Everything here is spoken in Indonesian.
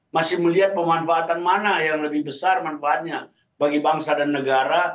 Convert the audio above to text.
masih melihat pemanfaatan mana yang lebih besar manfaatnya bagi bangsa dan negara